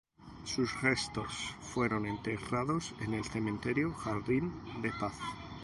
Sus restos fueron enterrados en el cementerio "Jardín de Paz".